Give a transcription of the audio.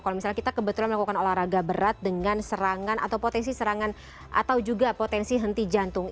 kalau misalnya kita kebetulan melakukan olahraga berat dengan serangan atau potensi serangan atau juga potensi henti jantung